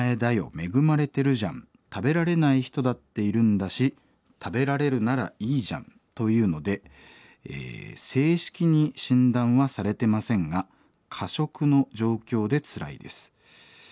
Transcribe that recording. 恵まれてるじゃん食べられない人だっているんだし食べられるならいいじゃんと言うので正式に診断はされてませんが過食の状況でつらいです。